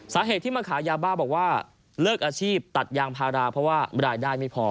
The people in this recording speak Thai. สาเหตุที่มาขายยาบ้าบอกว่าเลิกอาชีพตัดยางพาราเพราะว่ารายได้ไม่พอ